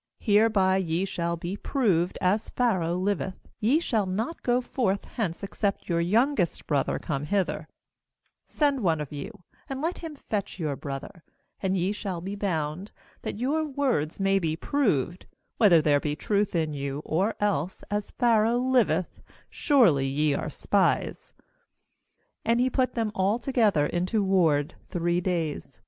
"Hereby ye shall be proved: as Pharaoh liveth, ye shall not go forth hence, except your youngest brother come hither. 16Send one of you, and let him fetch your brother, and VP b #rom a Hebrew word signifying to be fruitful. 52 GENESIS 43.2 shall be bound, that your words may be proved, whether there be truth in you; or else, as Pharaoh liveth, surely ye are spies.7 17And he put them all together into ward three days.